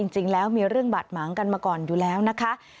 จริงแล้วมีเรื่องบาดหมางกันมาก่อนอยู่แล้วนะคะ